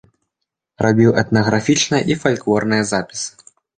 Рабіў этнаграфічныя і фальклорныя запісы.